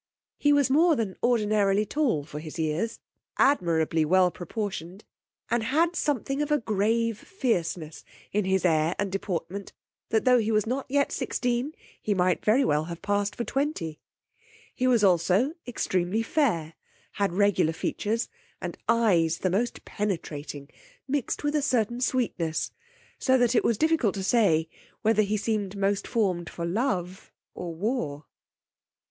He was more than ordinarily tall for his years, admirably well proportioned, and had something of a grave fierceness in his air and deportment, that tho' he was not yet sixteen, he might very well have passed for twenty: he was also extremely fair, had regular features, and eyes the most penetrating, mixed with a certain sweetness; so that it was difficult to say whether he seemed most formed for love or war.